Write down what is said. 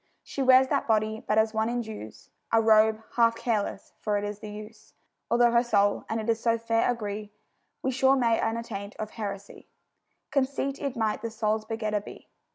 She wears that body but as one indues A robe, half careless, for it is the use; Although her soul and it so fair agree, We sure may, unattaint of heresy, Conceit it might the soul's begetter be.